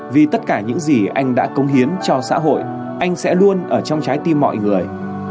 vì tất cả những gì anh đã cống hiến cho xã hội anh sẽ luôn ở trong trái tim mọi người